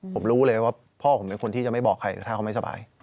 ผมรู้เลยว่าพ่อผมเป็นคนที่จะไม่บอกใครถ้าเขาไม่สบาย